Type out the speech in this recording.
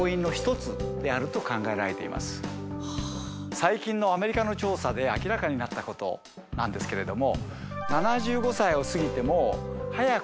最近のアメリカの調査で明らかになったことなんですけれども。